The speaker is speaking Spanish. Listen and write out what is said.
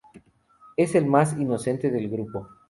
Es el más inocente del grupo.